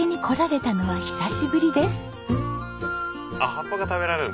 葉っぱが食べられる？